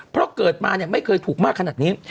เพราะเกิดมาไม่เคยถูกมากขนาดนี้